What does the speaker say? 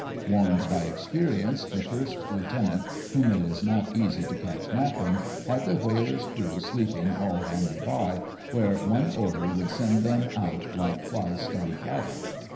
Warned by experience, the First Lieutenant, whom it is not easy to catch napping, had the whaler's crew sleeping all handy by, where one order would send them out like fly stung cattle.